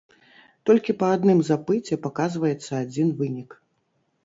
Толькі па адным запыце паказваецца адзін вынік.